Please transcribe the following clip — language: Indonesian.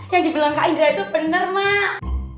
yang dibilang kak indra itu benar mak